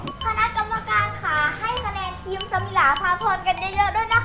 คณะกรรมการค่ะให้คะแนนทีมสมิลาภาพรกันเยอะด้วยนะคะ